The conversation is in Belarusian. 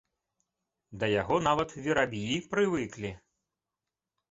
Да яго нават вераб'і прывыклі.